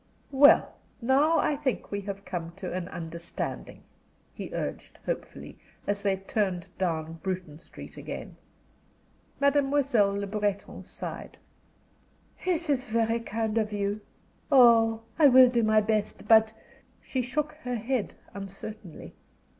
"Well, now I think we have come to an understanding," he urged, hopefully, as they turned down Bruton Street again. Mademoiselle Le Breton sighed. "It is very kind of you. Oh, I will do my best. But " She shook her head uncertainly.